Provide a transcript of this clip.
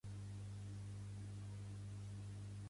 A disseminats s'han enderrocat les masies